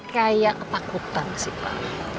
kayak ketakutan sih pak